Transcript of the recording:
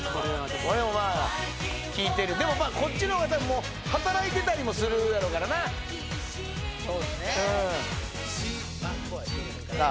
これもまあ聴いてるでもこっちのが多分もう働いてたりもするやろからなそうっすねさあ